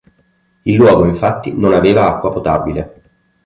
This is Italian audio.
Il luogo infatti non aveva acqua potabile.